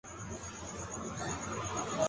رقبے کے لحاظ سے براعظم افریقہ کا سب بڑا ملک ہے